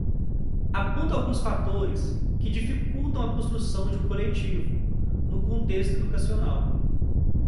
aponta alguns fatores que dificultam a construção de um coletivo, no contexto educacional